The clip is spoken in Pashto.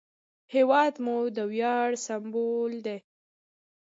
هېواد مو د ویاړ سمبول دی